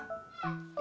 iya bentar des